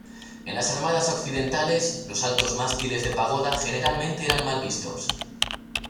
En las armadas occidentales, los altos mástiles de pagoda generalmente eran mal vistos.